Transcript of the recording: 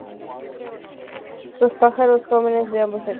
Los pájaros jóvenes de ambos sexos se asemejan al macho.